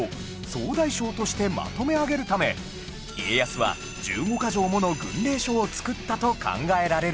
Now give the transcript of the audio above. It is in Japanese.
総大将としてまとめ上げるため家康は１５カ条もの軍令書を作ったと考えられるのです